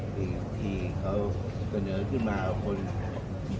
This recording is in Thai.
เรื่องนี้มันเป็นคำสั่งเก่า